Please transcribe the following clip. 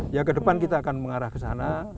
ya kedepan kita akan mengarah ke sana